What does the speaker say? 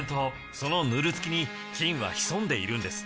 そのヌルつきに菌は潜んでいるんです。